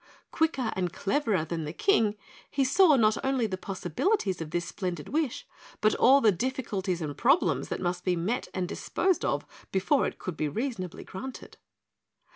Quicker and cleverer than the King, he saw not only the possibilities of this splendid wish, but all the difficulties and problems that must be met and disposed of before it could be reasonably granted.